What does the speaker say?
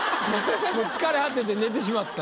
疲れ果てて寝てしまった。